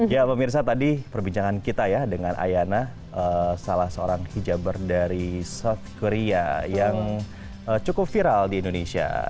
ya pemirsa tadi perbincangan kita ya dengan ayana salah seorang hijaber dari soft korea yang cukup viral di indonesia